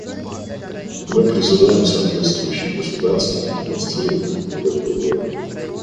Мы призываем соответствующие государства продемонстрировать такую добрую волю.